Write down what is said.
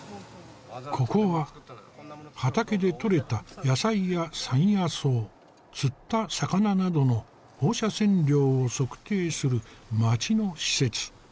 ここは畑でとれた野菜や山野草釣った魚などの放射線量を測定する町の施設。